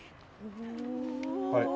はい。